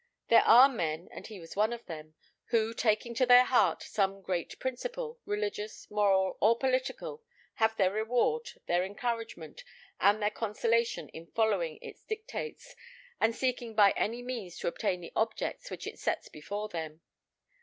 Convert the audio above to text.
There are men, and he was one of them, who, taking to their heart some great principle, religious, moral, or political, have their reward, their encouragement, and their consolation in following its dictates, and seeking by any means to attain the objects which it sets before them.